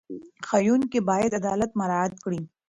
ښوونکي باید عدالت مراعت کړي.